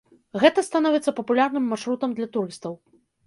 Гэта становіцца папулярным маршрутам для турыстаў.